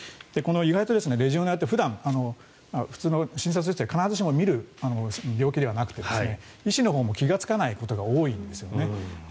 意外とレジオネラって普段普通の診察をしていて必ずしも見る病気ではなくて医師のほうも気がつかないことが多いんですね。